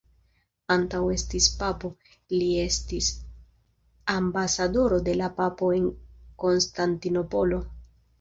Antaŭ esti papo, li estis ambasadoro de la papo en Konstantinopolo.